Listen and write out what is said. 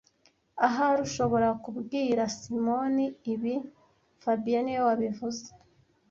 Ahari ushobora kubwira Simoni ibi fabien niwe wabivuze